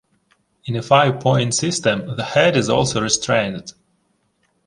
In a five-point system the head is also restrained.